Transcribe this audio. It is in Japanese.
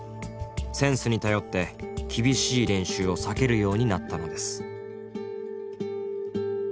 センスに頼って厳しい練習を避けるようになったのです。